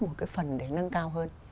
một cái phần để nâng cao hơn